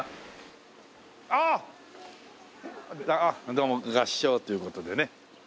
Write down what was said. どうも合掌という事でね。